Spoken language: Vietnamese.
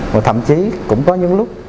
mà thậm chí cũng có những lúc